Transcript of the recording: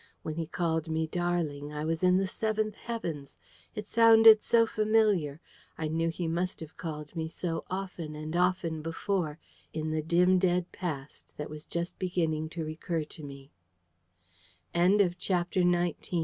When he called me "darling," I was in the seventh heavens. It sounded so familiar. I knew he must have called me so, often and often before, in the dim dead past that was just beginning to recur to m